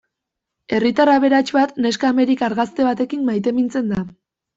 Herritar aberats bat neska amerikar gazte batekin maitemintzen da.